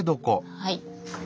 はい。